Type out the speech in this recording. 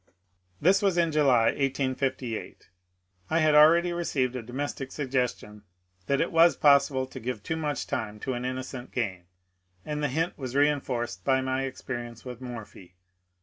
This was in July, 1858. I had already received a domestic suggestion that it was possible to give too much time to an innocent game, and the hint was reinforoed by my experience with Morphy.